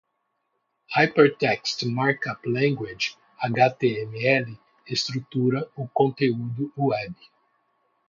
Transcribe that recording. Hypertext Markup Language (HTML) estrutura o conteúdo web.